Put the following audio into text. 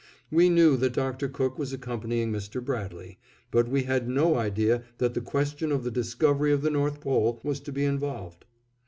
We knew that Dr. Cook was accompanying Mr. Bradley, but we had no idea that the question of the discovery of the North Pole was to be involved.